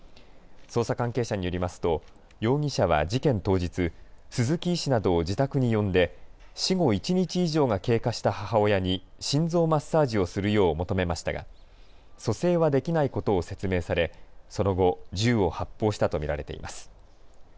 捜査関係者によりますと容疑者は事件当日、鈴木医師などを自宅に呼んで死後１日以上が経過した母親に心臓マッサージをするよう求めましたが蘇生はできないことを説明されその後、銃を発砲したと見られています。